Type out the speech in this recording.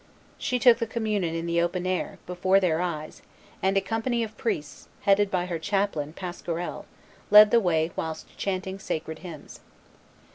She took the communion in the open air, before their eyes; and a company of priests, headed by her chaplain, Pasquerel, led the way whilst chanting sacred hymns.